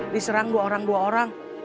diserang dua orang dua orang